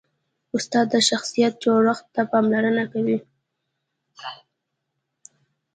استاد د شخصیت جوړښت ته پاملرنه کوي.